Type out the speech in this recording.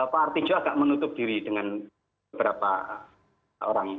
pak arti jok agak menutup diri dengan beberapa orang